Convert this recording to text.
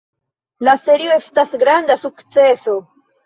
La serio estas granda sukceso.